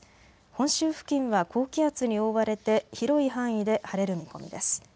本州付近は高気圧に覆われて広い範囲で晴れる見込みです。